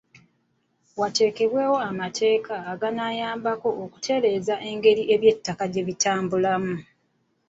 Wateekebwewo amateeka aganaayambako okutereeza engeri eby'ettaka gye bitambulamu.